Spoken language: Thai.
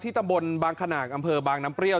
ตำบลบางขนาดอำเภอบางน้ำเปรี้ยว